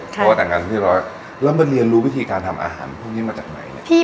เพราะว่าแต่งงานเสร็จเรียบร้อยแล้วมาเรียนรู้วิธีการทำอาหารพวกนี้มาจากไหนเนี่ย